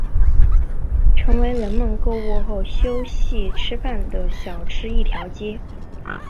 成为人们购物后休息吃饭的小吃一条街。